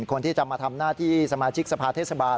คนที่จะมาทำหน้าที่สมาชิกสภาเทศบาล